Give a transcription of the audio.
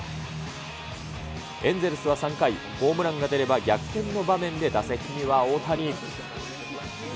エンゼルスは３回、ホームランが出れば逆転の場面で、打席には大谷。